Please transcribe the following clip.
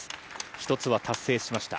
１つは達成しました。